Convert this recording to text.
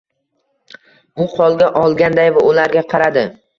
U qo’lga olganday va ularga qaradi.